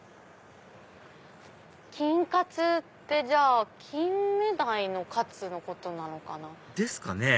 金カツってじゃあキンメダイのカツのことなのかな？ですかね？